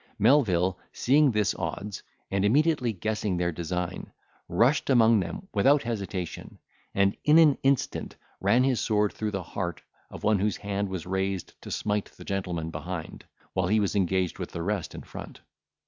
Melvil seeing this odds, and immediately guessing their design, rushed among them without hesitation, and in an instant ran his sword through the heart of one whose hand was raised to smite the gentleman behind, while he was engaged with the rest in front.